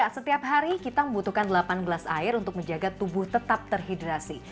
setiap hari kita membutuhkan delapan gelas air untuk menjaga tubuh tetap terhidrasi